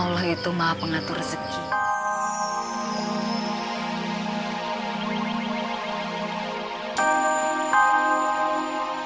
lihatlah aku sudah berjualan